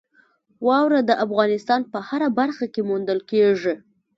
واوره د افغانستان په هره برخه کې موندل کېږي.